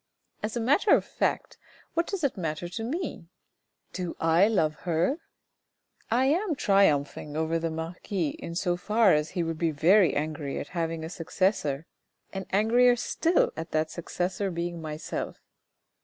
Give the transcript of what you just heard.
As a matter of fact, what does it matter to me ? Do I love her ? I am triumphing over the marquis in so far as he would be very angry at having a successor, and angrier still at that successor being myself.